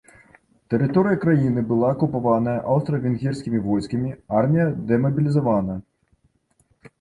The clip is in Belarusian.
Тэрыторыя краіны была акупаваная аўстра-венгерскімі войскамі, армія дэмабілізавана.